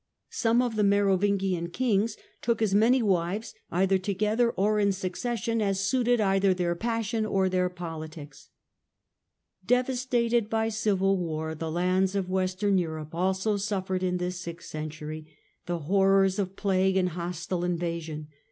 Some of the Merovingian kings took as many wives, either together or in succession, as suited either their passion or their politics." Devastated by civil war, the lands of Western Europe also suffered, in this sixth century, the horrors of plague and hostile invasion.